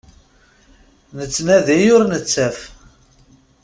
Nettnadi ur nettaf.